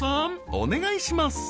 お願いします